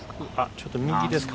ちょっと右ですか。